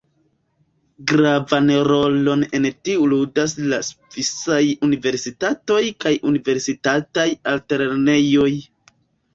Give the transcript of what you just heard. Gravan rolon en tio ludas la svisaj Universitatoj kaj universitataj altlernejoj.